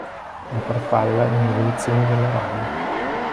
La farfalla è un'evoluzione della rana.